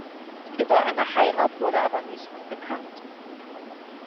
Über eine Heirat wurde aber nichts bekannt.